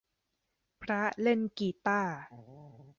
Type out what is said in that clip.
พระเล่นกีตาร์